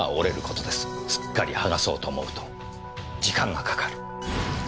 すっかり剥がそうと思うと時間がかかる。